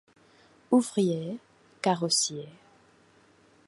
Ouvrier carrossier.